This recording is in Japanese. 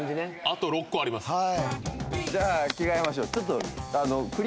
あと６個あります。